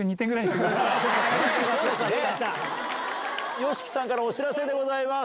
ＹＯＳＨＩＫＩさんからお知らせでございます。